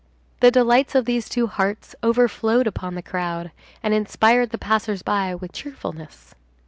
The delights of these two hearts overflowed upon the crowd, and inspired the passers by with cheerfulness.